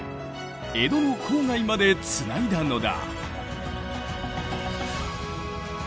江戸の郊外までつないだのだ。